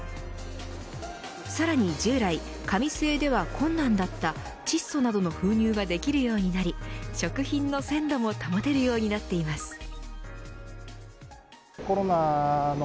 さらに従来、紙製では困難だった窒素などの封入ができるようになり食品の鮮度も保てるようになっています。